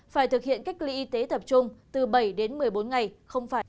phải thực hiện cách ly y tế tập trung từ bảy đến một mươi bốn ngày không phải